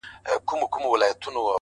• ځوان له سپي څخه بېحده په عذاب سو ,